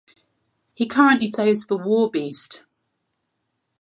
He currently plays for Warbeast.